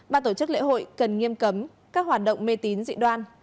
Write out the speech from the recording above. ba tổ chức lễ hội cần nghiêm cấm các hoạt động mê tín dị đoan